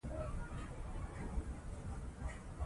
که لین وي نو برق نه پرې کیږي.